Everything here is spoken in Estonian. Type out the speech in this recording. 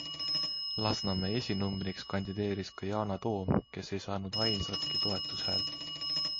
Lasnamäe esinumbriks kandideeris ka Yana Toom, kes ei saanud ainsatki toetushäält.